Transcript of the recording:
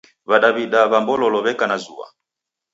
W'adaw'ida wa Mbololo w'eka na zua.